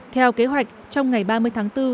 theo kế hoạch trong ngày ba mươi tháng bốn